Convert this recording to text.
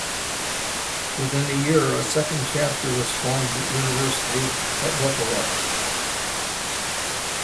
Within a year, a second chapter was formed at University at Buffalo.